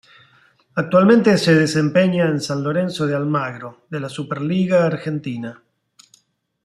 Actualmente se desempeña en San Lorenzo de Almagro de la Superliga Argentina.